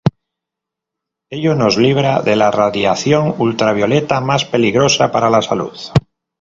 Ello nos libra de la radiación ultravioleta más peligrosa para la salud.